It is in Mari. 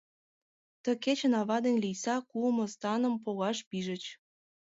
Ты кечын ава ден Лийса куымо станым погаш пижыч.